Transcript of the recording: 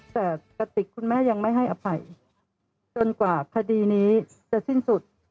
แต่กระติกคุณแม่ยังไม่ให้อภัยจนกว่าคดีนี้จะสิ้นสุด